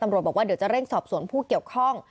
บอกว่าเดี๋ยวจะเร่งสอบสวนผู้เกี่ยวข้อง